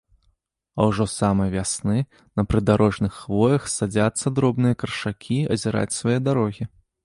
А ўжо з самай вясны на прыдарожных хвоях садзяцца дробныя каршакі азіраць свае дарогі.